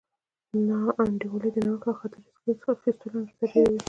ناانډولي د نوښت او خطر اخیستلو انګېزه ډېروي.